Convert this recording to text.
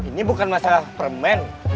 ini bukan masalah permen